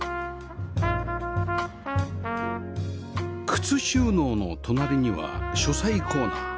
靴収納の隣には書斎コーナー